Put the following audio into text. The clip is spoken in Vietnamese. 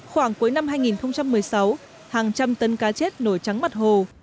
khoảng cuối năm hai nghìn một mươi sáu hàng trăm tấn cá chết nổi trắng mặt hồ